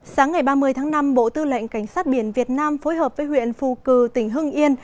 sáng ngày ba mươi tháng năm bộ tư lệnh cảnh sát biển việt nam phối hợp với huyện phù cử tỉnh hưng yên